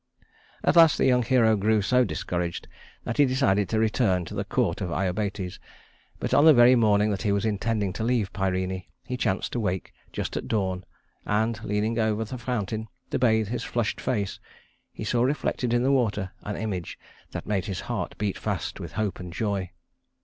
At last the young hero grew so discouraged that he decided to return to the court of Iobates; but on the very morning that he was intending to leave Pirene, he chanced to wake just at dawn, and, leaning over the fountain to bathe his flushed face he saw reflected in the water an image that made his heart beat fast with hope and joy.